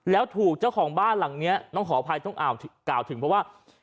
แล้วถูกเจ้าของบ้านหลังนี้ต้องขออภัยต้องกล่าวถึงเพราะว่า